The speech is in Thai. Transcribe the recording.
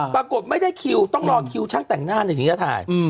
ปรากฏไม่ได้คิวต้องรอคิวช่างแต่งหน้าในที่นี่ก็ถ่าย